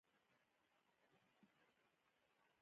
افغانستان کې زغال د خلکو د خوښې وړ ځای دی.